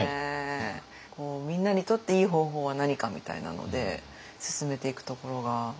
みんなにとっていい方法は何かみたいなので進めていくところが。